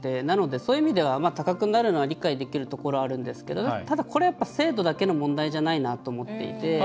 なので、そういう意味では高くなるのは理解できるところあるんですけれどもただ、これは制度だけの問題じゃないなと思っていて